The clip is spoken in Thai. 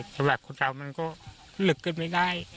แต่แบบคนเรามันก็ลึกเกินไม่ได้